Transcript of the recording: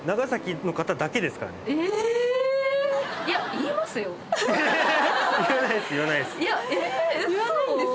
言わないです。